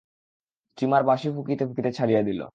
Steamer বাঁশি ফুঁকিতে ফুঁকিতে ছাড়িয়া দিল।